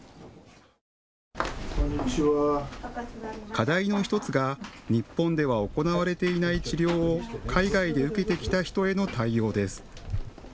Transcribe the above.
課題の１つが日本では行われていない治療を海外で受けてきた人への対応です。